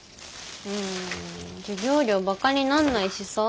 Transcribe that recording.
うん授業料バカになんないしさ。